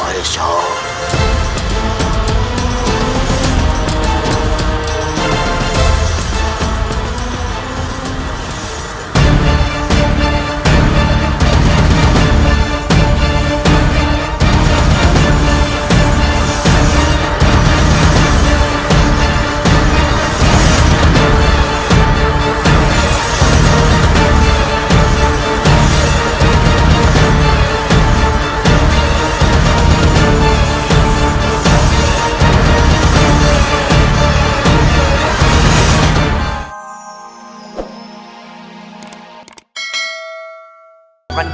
lihatlah aku baisah